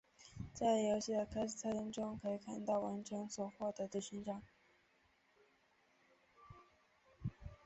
在游戏的开始菜单中可以看到完成所获得的勋章。